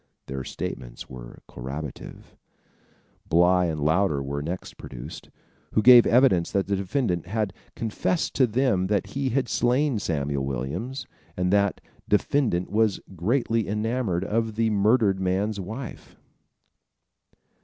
Their statements were corroborative. Bly and Louder were next produced, who gave evidence that the defendant had confessed to them that he had slain Samuel Williams, and that defendant was greatly enamored of the murdered man's wife.